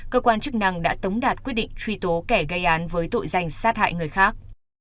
cơ quan chức năng đã tống đạt quyết định truy tố kẻ gây án với tội danh sát hại người khác